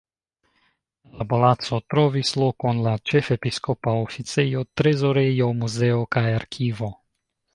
En la palaco trovis lokon la ĉefepiskopa oficejo, trezorejo, muzeo kaj arkivo.